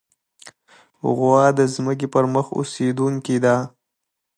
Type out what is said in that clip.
غوا د ځمکې پر مخ اوسېدونکې ده.